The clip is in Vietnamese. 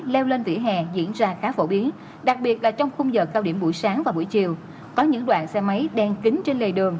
leo lên vỉa hè diễn ra khá phổ biến đặc biệt là trong khung giờ cao điểm buổi sáng và buổi chiều